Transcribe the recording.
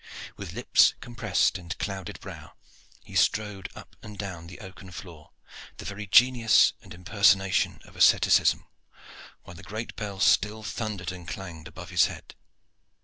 With lips compressed and clouded brow, he strode up and down the oaken floor, the very genius and impersonation of asceticism, while the great bell still thundered and clanged above his head.